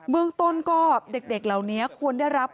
เมืองต้นก็เด็กเหล่านี้ควรได้รับ